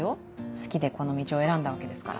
好きでこの道を選んだわけですから。